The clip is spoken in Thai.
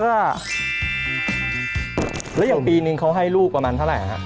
แล้วอย่างปีนึงเขาให้ลูกประมาณเท่าไหร่ครับ